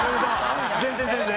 全然全然。